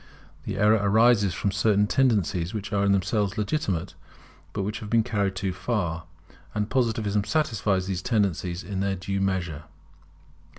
The error arises from certain tendencies which are in themselves legitimate, but which have been carried too far; and Positivism satisfies these tendencies in their due measure.